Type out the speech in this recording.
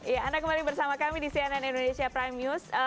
ya anda kembali bersama kami di cnn indonesia prime news